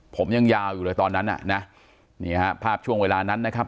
ผมยังยาวอยู่เลยตอนนั้นอ่ะนะนี่ฮะภาพช่วงเวลานั้นนะครับ